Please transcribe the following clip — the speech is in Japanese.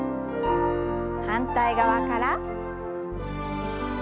反対側から。